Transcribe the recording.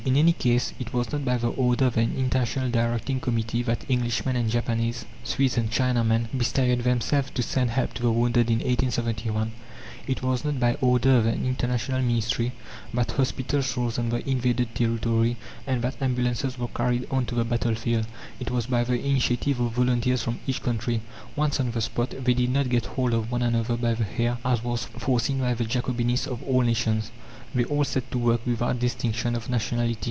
In any case, it was not by the order of an International Directing Committee that Englishmen and Japanese, Swedes and Chinamen, bestirred themselves to send help to the wounded in 1871. It was not by order of an international ministry that hospitals rose on the invaded territory and that ambulances were carried on to the battlefield. It was by the initiative of volunteers from each country. Once on the spot, they did not get hold of one another by the hair as was foreseen by the Jacobinists of all nations; they all set to work without distinction of nationality.